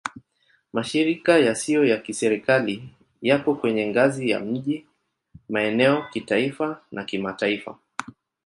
Mashirika yasiyo ya Kiserikali yako kwenye ngazi ya miji, maeneo, kitaifa na kimataifa.